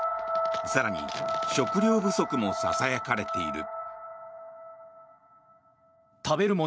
更に食料不足もささやかれている。